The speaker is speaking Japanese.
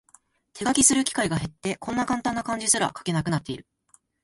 手書きする機会が減って、こんなカンタンな漢字すら書けなくなってる